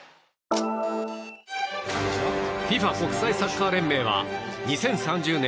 ＦＩＦＡ・国際サッカー連盟は２０３０年